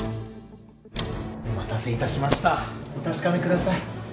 お待たせいたしましたお確かめください